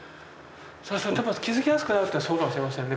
あそれは多分気付きやすくなるってそうかもしれませんね。